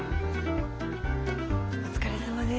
お疲れさまです。